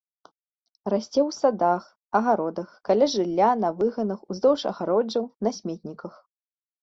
Расце ў садах, агародах, каля жылля, на выганах, уздоўж агароджаў, на сметніках.